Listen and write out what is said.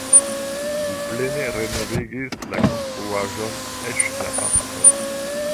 Li plene renovigis la konstruaĵon eĉ la parkon.